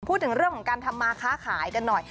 พูดถึงเรื่องของการทำมาค้าขายกันหน่อย